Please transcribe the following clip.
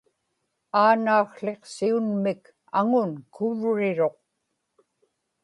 aanaakłiqsiunmik aŋun kuvriruq